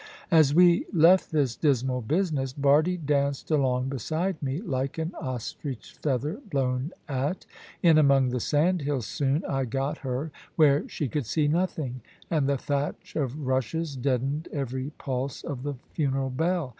As we left this dismal business, Bardie danced along beside me, like an ostrich feather blown at. In among the sandhills soon I got her, where she could see nothing, and the thatch of rushes deadened every pulse of the funeral bell.